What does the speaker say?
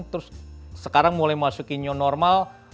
terus sekarang mulai masukinnya normal